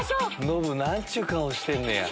ノブ何ちゅう顔してんねや。